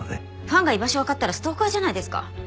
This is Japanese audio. ファンが居場所わかったらストーカーじゃないですか。